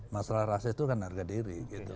masalah rasis itu kan harga diri